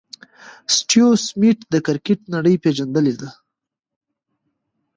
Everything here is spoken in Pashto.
سټیو سميټ د کرکټ نړۍ پېژندلی دئ.